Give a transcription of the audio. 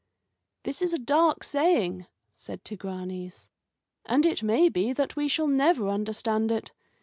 '" "This is a dark saying," said Tigranes, "and it may be that we shall never understand it.